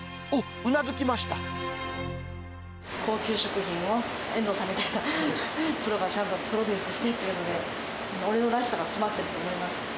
高級食品を、遠藤さんみたいなプロがちゃんとプロデュースしてっていうので、俺のらしさが詰まってると思います。